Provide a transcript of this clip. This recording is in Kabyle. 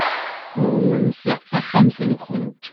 Qewmemt taxxamt-nkent.